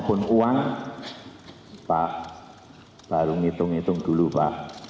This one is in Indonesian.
berpartisipasi untuk negaranya